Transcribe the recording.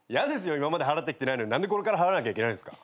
今まで払ってきてないのに何でこれから払わなきゃいけないんすか。